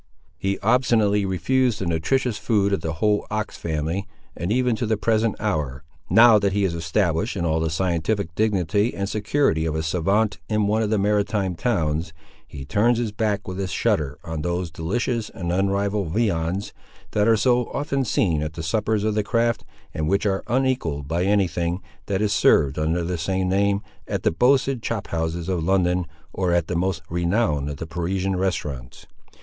He obstinately refused the nutritious food of the whole ox family, and even to the present hour, now that he is established in all the scientific dignity and security of a savant in one of the maritime towns, he turns his back with a shudder on those delicious and unrivalled viands, that are so often seen at the suppers of the craft, and which are unequalled by any thing, that is served under the same name, at the boasted chop houses of London, or at the most renowned of the Parisian restaurants.